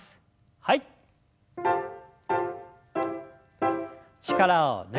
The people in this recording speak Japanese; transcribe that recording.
はい。